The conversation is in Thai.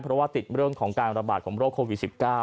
เพราะว่าติดเรื่องของการระบาดของโรคโควิด๑๙